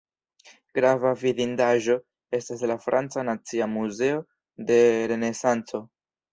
Grava vidindaĵo estas la franca nacia muzeo de renesanco.